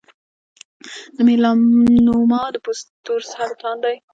د میلانوما د پوست تور سرطان دی.